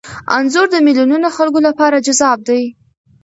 انځور د میلیونونو خلکو لپاره جذاب دی.